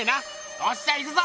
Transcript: おっしゃいくぞ！